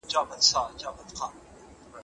د طلاق معلق شرط تر نکاح مخکي پيښ سوی.